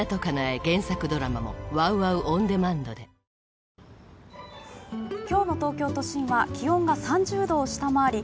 東芝今日の東京都心は気温が３０度を下回り